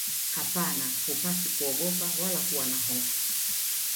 Hapana hupaswi kuogopa wala kuwa na hofu